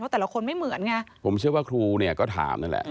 แต่ละคนไม่เหมือนไงผมเชื่อว่าครูเนี่ยก็ถามนั่นแหละ